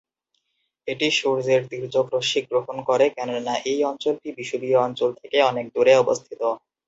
এটি সূর্যের তির্যক রশ্মি গ্রহণ করে কেননা এই অঞ্চলটি বিষুবীয় অঞ্চল থেকে অনেক দূরে অবস্থিত।